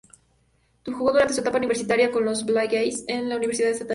Jugó durante su etapa universitaria con los "Buckeyes" de la Universidad Estatal de Ohio.